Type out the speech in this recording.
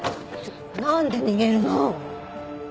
なんで逃げるの？